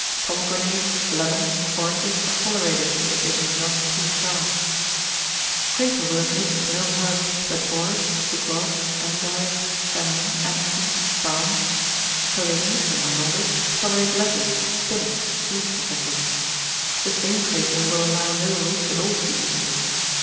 Pomegranates, lemons, oranges are tolerated, if they be not too sharp. Crato will admit of no herbs, but borage, bugloss, endive, fennel, aniseed, baum; Callenius and Arnoldus tolerate lettuce, spinach, beets, &c. The same Crato will allow no roots at all to be eaten.